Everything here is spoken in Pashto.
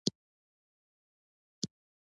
طلا د افغانستان د موسم د بدلون سبب کېږي.